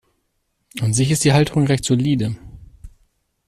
An sich ist die Halterung recht solide.